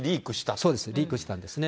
そうです、リークしたんですね。